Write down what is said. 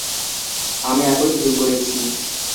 আমি একই ভুল করেছি।